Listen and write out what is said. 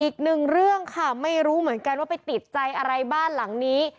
อีกหนึ่งเรื่องค่ะไม่รู้เหมือนกันว่าไปติดใจอะไรบ้านหลังนี้